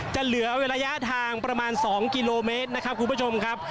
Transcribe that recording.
จะเหลือระยะทางประมาณ๒กิโลเมตรนะครับคุณผู้ชมครับ